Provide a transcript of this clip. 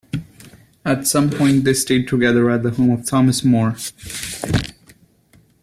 At some point they stayed together at the home of Thomas More.